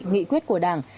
nghị quyết của đảng